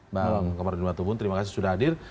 bang komarudin watubun terima kasih sudah hadir